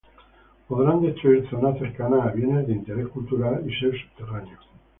podrán destruir zonas cercanas a Bienes de Interés Cultural y ser subterráneos